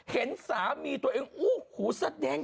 เห็นสามีตัวเองอู้หูสะแดง